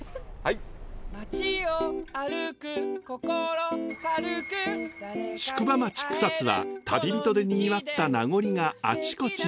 宿場町草津は旅人でにぎわった名残があちこちに。